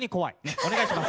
お願いします。